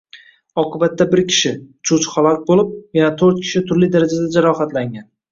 Oqibatda bir kishi — uchuvchi halok bo‘lib, yana to‘rt kishi turli darajada jarohatlangan